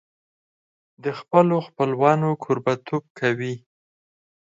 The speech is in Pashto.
د خپلو خپلوانو کوربهتوب کوي.